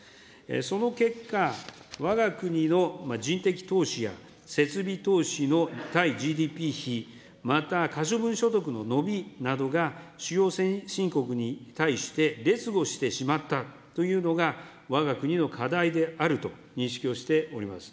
その結果、わが国の人的投資や、設備投資の対ＧＤＰ比、また可処分所得の伸びなどが、主要先進国に対して、劣後してしまったというのが、わが国の課題であると認識をしております。